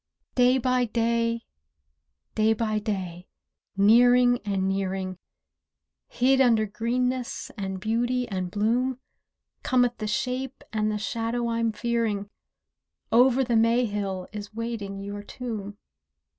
Day by day, day by day, nearing and nearing, Hid under greenness, and beauty and bloom, Cometh the shape and the shadow I'm fearing, "Over the May hill" is waiting your tomb.